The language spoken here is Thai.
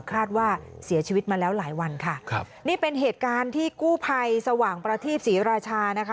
คาดว่าเสียชีวิตมาแล้วหลายวันค่ะครับนี่เป็นเหตุการณ์ที่กู้ภัยสว่างประทีปศรีราชานะคะ